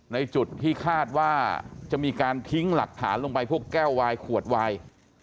ในจุดที่คาดว่าจะมีการทิ้งหลักฐานลงไปพวกแก้ววายขวดวาย